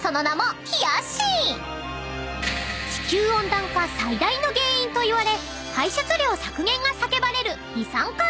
［地球温暖化最大の原因といわれ排出量削減が叫ばれる二酸化炭素］